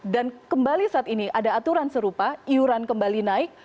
dan kembali saat ini ada aturan serupa iuran kembali naik